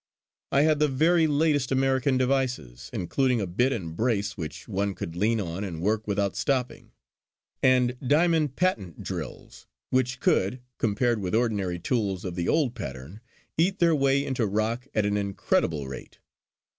I had the very latest American devices, including a bit and brace which one could lean on and work without stooping, and diamond patent drills which could, compared with ordinary tools of the old pattern, eat their way into rock at an incredible rate.